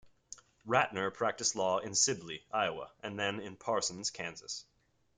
Ratner practiced law in Sibley, Iowa, and then in Parsons, Kansas.